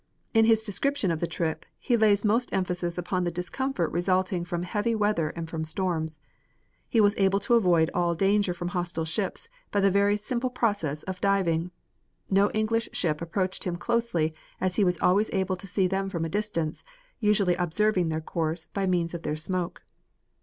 In his description of the trip he lays most emphasis upon the discomfort resulting from heavy weather and from storms. He was able to avoid all danger from hostile ships by the very simple process of diving. No English ship approached him closely as he was always able to see them from a distance, usually observing their course by means of their smoke.